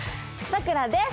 さくらです。